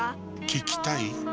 聞きたい？